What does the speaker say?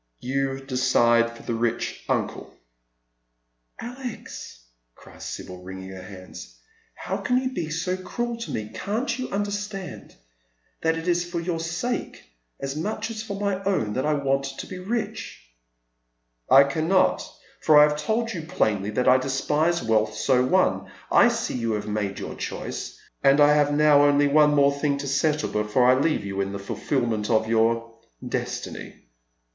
" You decide for the rich uncle ?"" Alex !" cries Sibyl, wringing her hands, " how can you b« 80 cruel to me ? Can't you understand that it is for your sake as much as for my own that I want to be rich ?"" I cannot, for I have told you plainly that I despise wealth BO won. I see you have made your choice, and I have now oiily one thing more to settle before I leave you to the fulfilment of your destiny.